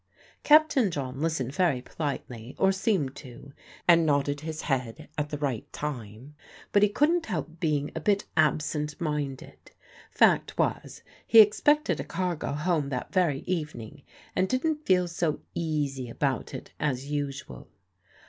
Captain John listened very politely, or seemed to, and nodded his head at the right time; but he couldn't help being a bit absent minded. Fact was, he expected a cargo home that very evening, and didn't feel so easy about it as usual.